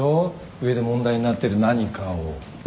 上で問題になってる何かを。